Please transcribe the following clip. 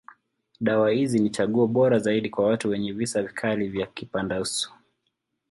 Dawa hizi ni chaguo bora zaidi kwa watu wenye visa vikali ya kipandauso.